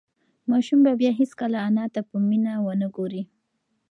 ماشوم به بیا هیڅکله انا ته په مینه ونه گوري.